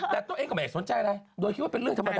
แต่ตัวเองก็ไม่ได้สนใจอะไรโดยคิดว่าเป็นเรื่องธรรมดา